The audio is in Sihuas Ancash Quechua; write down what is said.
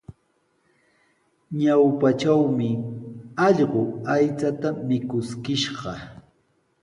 Ñawpatrawmi allqu aychata mikuskishqa.